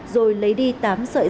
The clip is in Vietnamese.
rồi lấy đi tiệm vàng